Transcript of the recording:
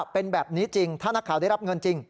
เป็นแบบนี้จริงถ้านักข่าวได้รับเงินจริง